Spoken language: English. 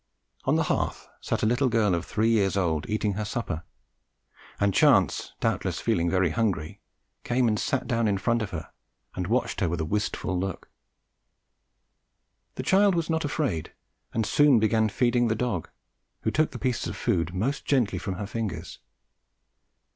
On the hearth sat a little girl of three years old, eating her supper, and Chance, doubtless feeling very hungry, came and sat down in front of her and watched her with a wistful look. The child was not afraid and soon began feeding the dog, who took the pieces of food most gently from her fingers.